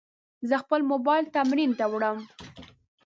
زه خپل موبایل ترمیم ته وړم.